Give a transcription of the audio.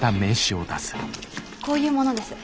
こういう者です。